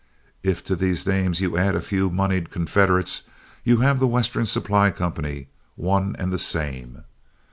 If to these names you add a few moneyed confederates, you have The Western Supply Company, one and the same.